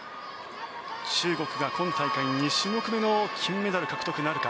中国が今大会２種目目の金メダル獲得なるか。